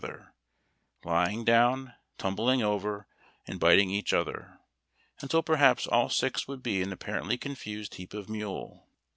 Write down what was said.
285 other, lying down, tumbling over, and biting each other, until perhaj^s all six would be an apparently confused heap of mule.